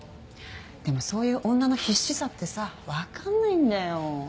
でもそういう女の必死さってさ分かんないんだよ。